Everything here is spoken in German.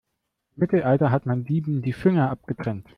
Im Mittelalter hat man Dieben die Finger abgetrennt.